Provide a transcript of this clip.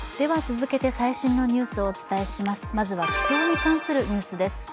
まずは気象に関するニュースです。